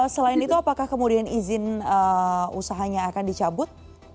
selain itu apakah kemudian izin usahanya akan dicabut